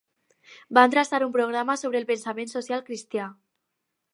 Van traçar un programa sobre el pensament social cristià.